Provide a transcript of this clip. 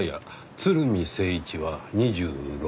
鶴見征一は２６。